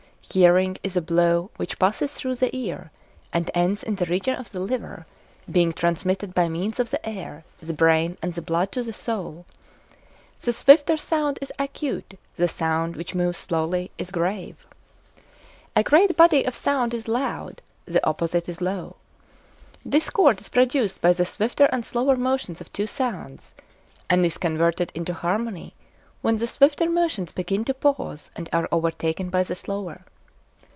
Hearing is a blow which passes through the ear and ends in the region of the liver, being transmitted by means of the air, the brain, and the blood to the soul. The swifter sound is acute, the sound which moves slowly is grave. A great body of sound is loud, the opposite is low. Discord is produced by the swifter and slower motions of two sounds, and is converted into harmony when the swifter motions begin to pause and are overtaken by the slower.